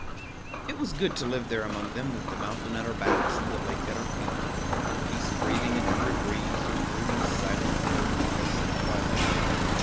It was good to live there among them, with the mountain at our backs and the lake at our feet, and peace breathing in every breeze or brooding silently over the place at twilight.